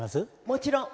もちろん。